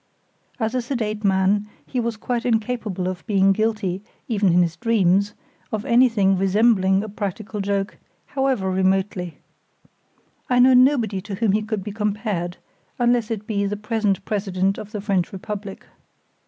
As a sedate man, he was quite incapable of being guilty, even in his dreams, of anything resembling a practical joke, however remotely. I know nobody to whom he could be compared, unless it be the present president of the French Republic.